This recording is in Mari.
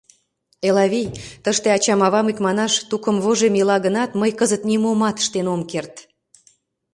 Элавий, тыште ачам-авам, икманаш, тукымвожем ила гынат, мый кызыт нимомат ыштен ом керт.